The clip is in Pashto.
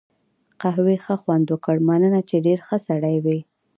قهوې ښه خوند وکړ، مننه، چې ډېر ښه سړی وې.